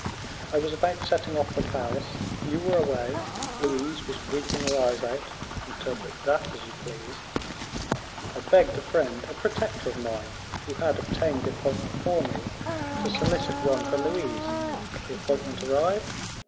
I was about setting off for Paris you were away; Louise was weeping her eyes out; interpret that as you please; I begged a friend, a protector of mine, who had obtained the appointment for me, to solicit one for Louise; the appointment arrived.